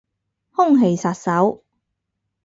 空氣殺手